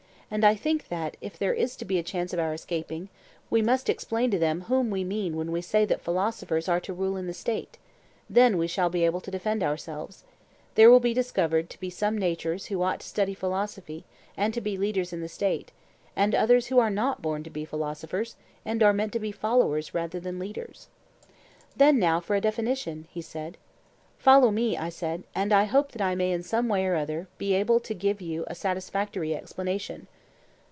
And I think that, if there is to be a chance of our escaping, we must explain to them whom we mean when we say that philosophers are to rule in the State; then we shall be able to defend ourselves: There will be discovered to be some natures who ought to study philosophy and to be leaders in the State; and others who are not born to be philosophers, and are meant to be followers rather than leaders. Then now for a definition, he said. Follow me, I said, and I hope that I may in some way or other be able to give you a satisfactory explanation.